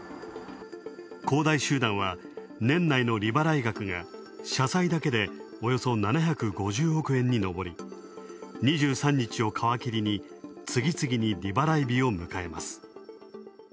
恒大集団は年内の利払い額が社債だけでおよそ７５０億円にのぼり、２３日をかわきりに、次々に利払い日を迎えます。